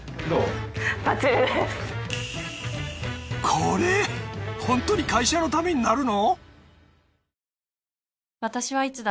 これホントに会社のためになるの？